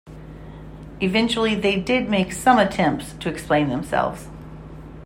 Eventually they did make some attempts to explain themselves.